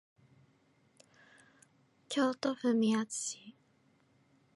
京都府宮津市